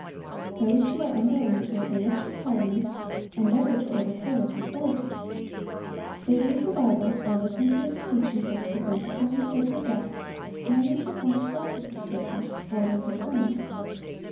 Those who are unwilling to obey its requirements, endeavor to overthrow its authority. They read the Bible, or listen to its teachings as presented from the sacred desk, merely to find fault with the Scriptures or with the sermon.